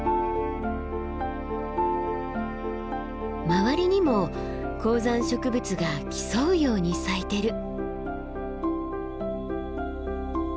周りにも高山植物が競うように咲いてる。